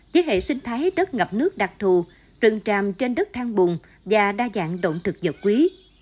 với hệ sinh thái đất ngập nước đặc thù rừng tràm trên đất thang bùng và đa dạng động thực vật quý